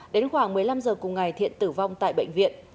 đến khoảng một mươi năm h cùng ngày thiện tử vong tại bệnh viện